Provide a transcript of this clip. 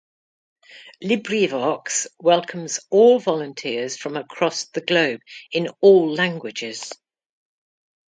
Librivox welcomes all volunteers from across the globe, in all languages